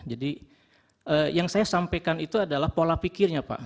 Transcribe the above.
jadi yang saya sampaikan itu adalah pola pikirnya pak